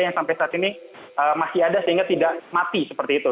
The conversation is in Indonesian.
yang sampai saat ini masih ada sehingga tidak mati seperti itu